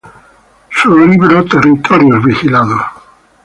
Su libro "Territorios vigilados.